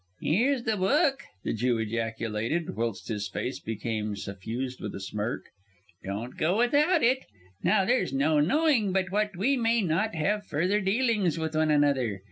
"Here's the book!" the Jew ejaculated, whilst his face became suffused with a smirk. "Don't go without it. Now! there's no knowing but what we may not have further dealings with one another.